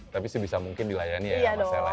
tapi sih bisa mungkin dilayani ya sama sela ya